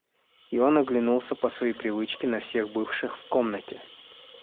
И он оглянулся по своей привычке на всех бывших в комнате.